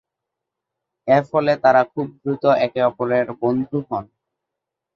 এরফলে তারা খুব দ্রুত একে-অপরের বন্ধু হন।